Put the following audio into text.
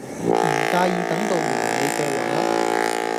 唔介意等到年尾嘅話